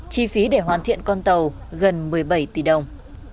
chi phí để hoàn thiện con tàu gần một mươi bảy tỷ đồng